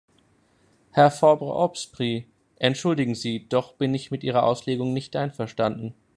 Herr Fabre-Aubrespy, entschuldigen Sie, doch bin ich mit Ihrer Auslegung nicht einverstanden.